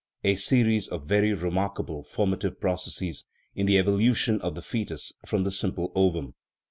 a series of very re markable formative processes in the evolution of the foetus from the simple ovum.